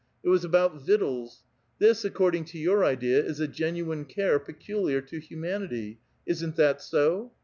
It was about victuals. This, according to your idea, is a genuine care peculiar to humanity ; isn't that so?